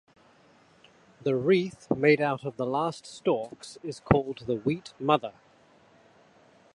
The wreath made out of the last stalks is called the Wheat Mother.